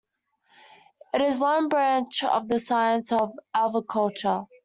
It is one branch of the science of aviculture.